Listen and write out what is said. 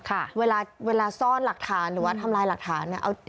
ค่ะเวลาเวลาซ่อนหลักฐานหรือว่าทำลายหลักฐานเนี่ยเอา